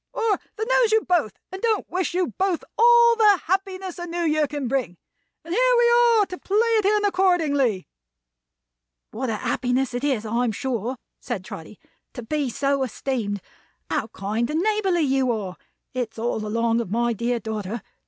Or that knows you both and don't wish you both all the happiness the New Year can bring. And here we are, to play it in accordingly." "What a happiness it is, I'm sure," said Trotty, "to be so esteemed. How kind and neighborly you are! It's all along of my dear daughter.